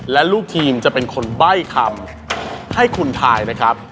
และลูกทีมจะเป็นคนใบ้คำให้คุณทายนะครับ